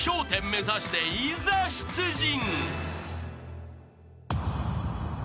１０目指していざ出陣］